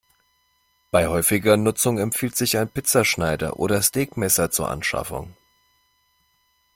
Bei häufiger Nutzung empfiehlt sich ein Pizzaschneider oder Steakmesser zur Anschaffung.